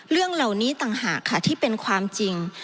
เรื่องเหล่านี้ต่างหากค่ะที่เป็นความจริง